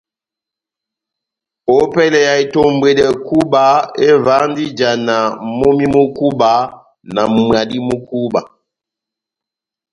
Ópɛlɛ ya itombwedɛ kúba, evahandi ijana momí mu kúba na mwadi mú kúba.